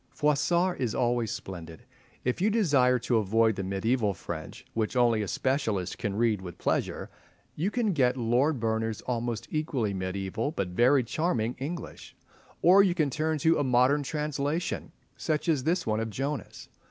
Froissart is always splendid. If you desire to avoid the mediaeval French, which only a specialist can read with pleasure, you can get Lord Berners' almost equally mediaeval, but very charming English, or you can turn to a modern translation, such as this one of Johnes.